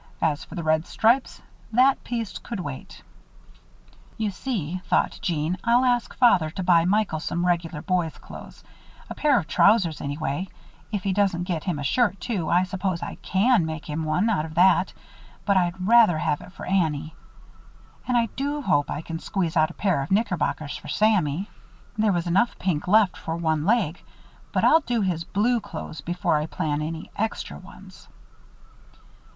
As for the red stripes, that piece could wait. "You see," thought Jeanne, "I'll ask Father to buy Michael some regular boys' clothes. A pair of trousers anyhow. If he doesn't get him a shirt too, I suppose I can make him one out of that, but I'd rather have it for Annie. And I do hope I can squeeze out a pair of knickerbockers for Sammy. There was enough pink left for one leg but I'll do his blue clothes before I plan any extra ones."